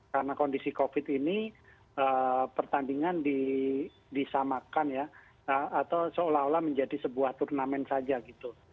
karena kondisi covid ini pertandingan disamakan ya atau seolah olah menjadi sebuah turnamen saja gitu